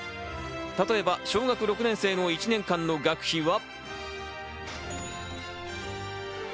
例えば小学６年生の１年間の学費は。